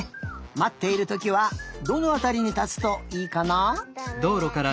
まっているときはどのあたりにたつといいかな？